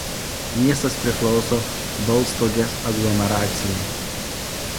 Miestas priklauso Balstogės aglomeracijai.